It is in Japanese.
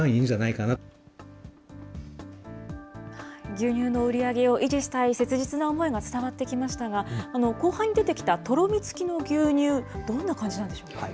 牛乳の売り上げを維持したい、切実な思いが伝わってきましたが、後半に出てきたとろみつきの牛乳、どんな感じなんでしょうね。